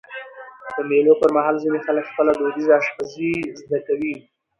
د مېلو پر مهال ځيني خلک خپله دودیزه اشپزي زده کوي.